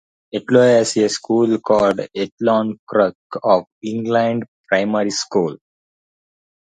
Elton has a school called Elton Church of England Primary School.